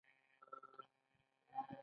ده ورلسټ ته یو متل ور په زړه کړ.